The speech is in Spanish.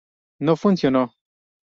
No funcionó...